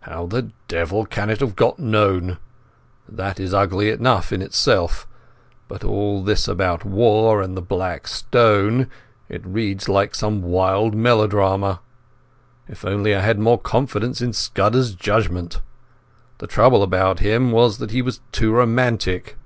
How the devil can it have got known? That is ugly enough in itself. But all this about war and the Black Stone—it reads like some wild melodrama. If only I had more confidence in Scudder's judgement. The trouble about him was that he was too romantic.